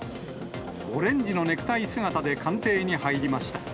オレンジのネクタイ姿で官邸に入りました。